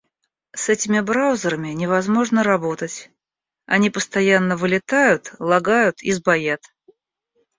С этими браузерами невозможно работать. Они постоянно вылетают, лагают и сбоят.